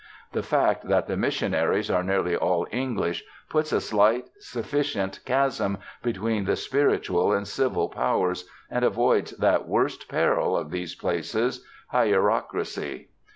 The fact that the missionaries are nearly all English puts a slight sufficient chasm between the spiritual and civil powers, and avoids that worst peril of these places hierocracy.